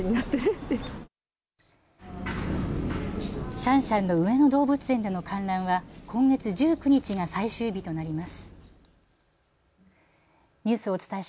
シャンシャンの上野動物園での観覧は今月１９日が最終日となります。